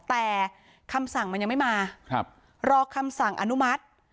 แต่คำสั่งมันยังไม่มารอคำสั่งอนุมัติ